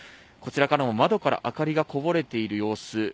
こちらから窓から明かりがこぼれている様子。